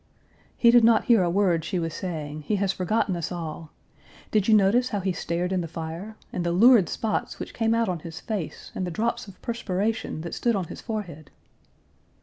"He did not hear a word she was saying. He has forgotten us all. Did you notice how he stared in the fire? And the lurid spots which came out in his face and the drops of perspiration that stood on his forehead?"